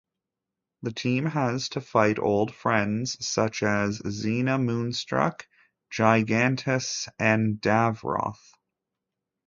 The team has to fight old friends, such as Zena Moonstruk, Gigantus and Davroth.